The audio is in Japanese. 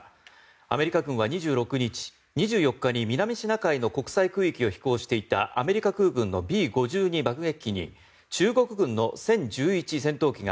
アメリカ軍は２６日２４日に南シナ海の国際空域を飛行していたアメリカ空軍のＢ５２爆撃機に中国軍の殲１１戦闘機が